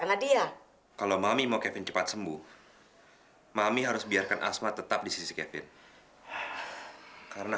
aduh kenapa turun di sini